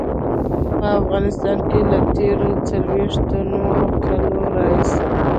په افغانستان کې له تېرو څلويښتو کالو راهيسې.